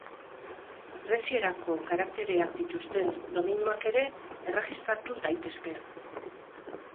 Grezierako karaktereak dituzten domeinuak ere erregistratu daitezke.